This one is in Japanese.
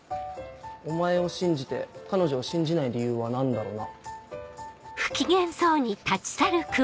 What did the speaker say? お前を信じて彼女を信じない理由は何だろうな。